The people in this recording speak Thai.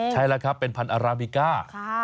ใช่แล้วครับเป็นพันธุ์อาราบิก้า